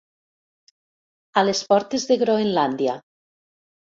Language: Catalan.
A les portes de Groenlàndia.